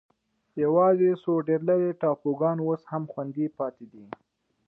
یوازې څو ډېر لرې ټاپوګان اوس هم خوندي پاتې دي.